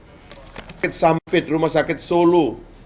rumah sakit sampit rumah sakit solo